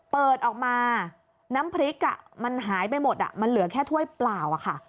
เปิดออกมาน้ำพริกมันหายไปหมดมันเหลือแค่ถ้วยเปล่าอะค่ะ